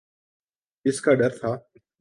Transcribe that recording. جس کا ڈر تھا۔